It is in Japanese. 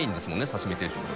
刺身定食の。